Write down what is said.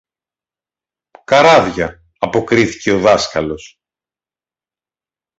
Καράβια, αποκρίθηκε ο δάσκαλος.